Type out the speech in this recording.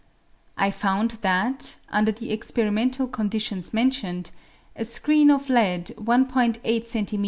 I found that, under the experimental conditions men tioned, a screen of lead i'8 cm.